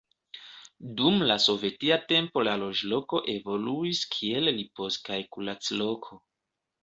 Dum sovetia tempo la loĝloko evoluis kiel ripoz- kaj kurac-loko.